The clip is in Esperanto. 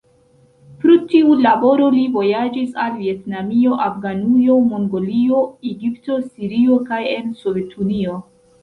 Pro tiu laboro li vojaĝis al Vjetnamio, Afganujo, Mongolio, Egipto, Sirio kaj en Sovetunio.